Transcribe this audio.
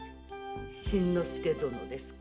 新之助殿ですか？